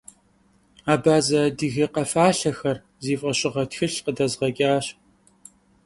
«Абазэ-адыгэ къэфалъэхэр» зи фӀэщыгъэ тхылъ къыдэзгъэкӀащ.